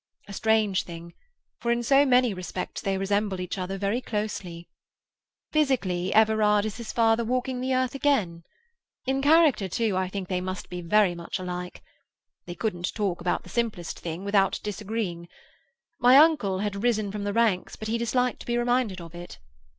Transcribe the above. A strange thing, for in so many respects they resembled each other very closely. Physically, Everard is his father walking the earth again. In character, too, I think they must be very much alike. They couldn't talk about the simplest thing without disagreeing. My uncle had risen from the ranks but he disliked to be reminded of it.